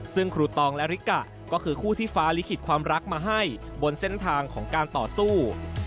ซึ่งครูตองและริกะก็คือคู่ที่ฟ้าลิขิตความรักมาให้บนเส้นทางของการต่อสู้